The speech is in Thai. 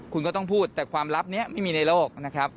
คุณก็ต้องพูดแต่ความลับนี้ไม่มีในโลกนะครับ